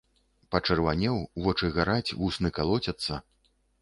Пачырванеў, вочы гараць, вусны калоцяцца.